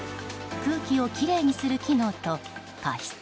空気をきれいにする機能と加湿